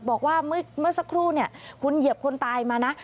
บอกว่าเมื่อสักครู่เนี่ยคุณเหยียบคนตายมานะ